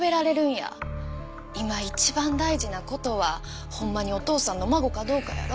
今一番大事な事はほんまにお父さんの孫かどうかやろ？